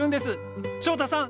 翔太さん！